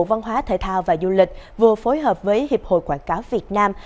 văn hóa thể thao và du lịch vừa phối hợp với hiệp hội quảng cáo việt nam